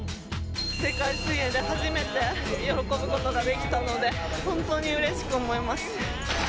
世界水泳で初めて喜ぶことができたので本当にうれしく思います。